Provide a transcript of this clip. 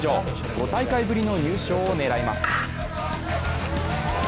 ５大会ぶりの入賞を狙います。